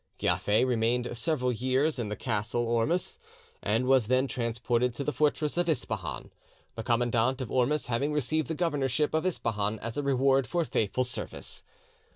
"Giafer remained several years in the castle Ormus, and was then transported to the fortress of Ispahan; the commandant of Ormus having received the governorship of Ispahan as a reward for faithful service.